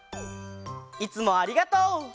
いつもありがとう！